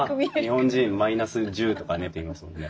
日本人マイナス１０とかねって言いますもんね。